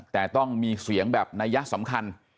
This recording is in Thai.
แต่ต้องมีเสียงแบบนัยสำคัญ